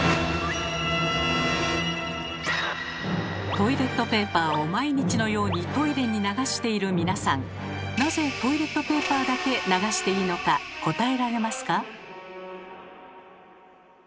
トイレットペーパーを毎日のようにトイレに流している皆さんなぜトイレットペーパーだけ流していいのか答えられますか？